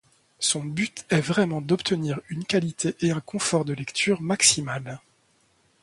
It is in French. Son but est vraiment d'obtenir une qualité et un confort de lecture maximal.